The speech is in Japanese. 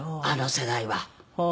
あの世代は。